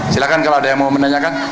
silahkan kalau ada yang mau menanyakan